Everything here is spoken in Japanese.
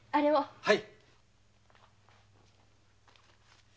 はい。